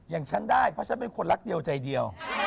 อย่างฉันได้เพราะฉันเป็นคนรักเดียวใจเดียว